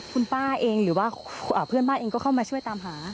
คุณป้าเองหรือว่าเพื่อนบ้านเองก็เข้ามาช่วยตามหา